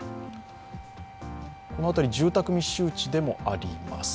この辺り住宅密集地でもあります。